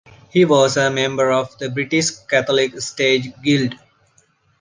He was a member of the British Catholic Stage Guild.